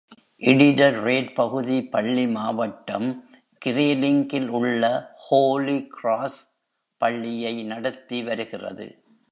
இடிடரோட் பகுதி பள்ளி மாவட்டம் கிரேலிங்கில் உள்ள ஹோலி கிராஸ் பள்ளியை நடத்தி வருகிறது.